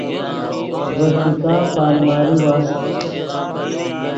ڤے کتاب پے الماری واست